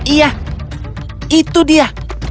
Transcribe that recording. iya itu dia